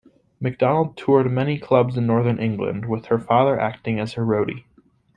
McDonald toured many clubs in northern England, with her father acting as her roadie.